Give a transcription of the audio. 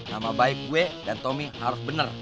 nama baik gue dan tommy harus benar